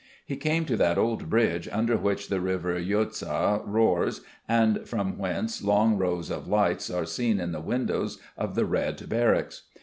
He came to that old bridge under which the river Yaouza roars and from whence long rows of lights are seen in the windows of the Red Barracks.